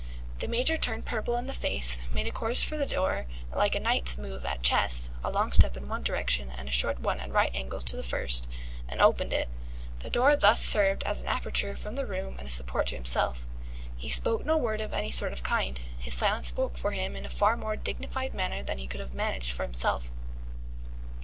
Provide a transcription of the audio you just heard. The Major turned purple in the face, made a course for the door like a knight's move at chess (a long step in one direction and a short one at right angles to the first) and opened it. The door thus served as an aperture from the room and a support to himself. He spoke no word of any sort or kind: his silence spoke for him in a far more dignified manner than he could have managed for himself.